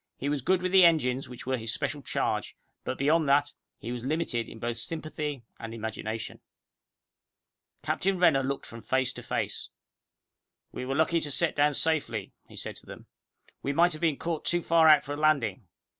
He was good with the engines which were his special charge, but beyond that, he was limited in both sympathy and imagination. Captain Renner looked from face to face. "We were lucky to set down safely," he said to them all. "We might have been caught too far out for a landing.